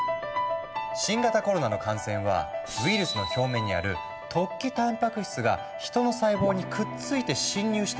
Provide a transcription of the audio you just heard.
新型コロナの感染はウイルスの表面にある突起たんぱく質が人の細胞にくっついて侵入して起こる。